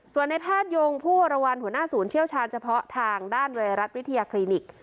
ส่วนในแพทยงผู้วรวรรณหัวหน้าศูนย์เชี่ยวชาญเฉพาะทางด้านไวรัสวิทยาคลินิก